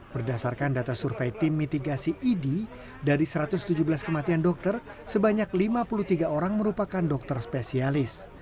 berdasarkan data survei tim mitigasi idi dari satu ratus tujuh belas kematian dokter sebanyak lima puluh tiga orang merupakan dokter spesialis